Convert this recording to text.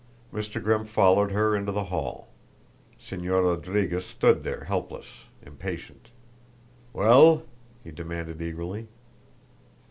Mr. Grimm followed her into the hall; Señor Rodriguez stood there helpless, impatient. "Well?" he demanded eagerly.